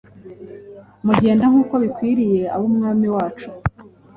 mugenda nk’uko bikwiriye ab’Umwami wacu,